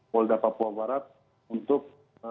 polda papua barat untuk